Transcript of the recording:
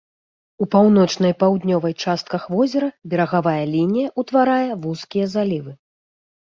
У паўночнай паўднёвай частках возера берагавая лінія ўтварае вузкія залівы.